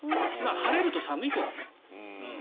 晴れると寒いけどね。